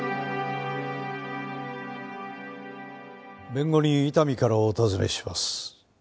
弁護人伊丹からお尋ねします。